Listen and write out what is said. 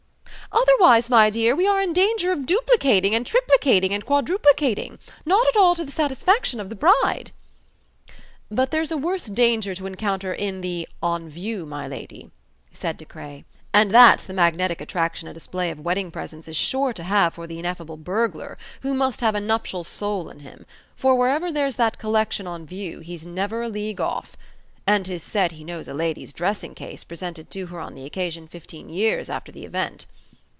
"Otherwise, my dear, we are in danger of duplicating and triplicating and quadruplicating, not at all to the satisfaction of the bride." "But there's a worse danger to encounter in the 'on view', my lady," said De Craye; "and that's the magnetic attraction a display of wedding presents is sure to have for the ineffable burglar, who must have a nuptial soul in him, for wherever there's that collection on view, he's never a league off. And 'tis said he knows a lady's dressing case presented to her on the occasion fifteen years after the event."